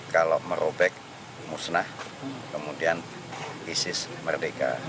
kalau merobek musnah kemudian isis merdeka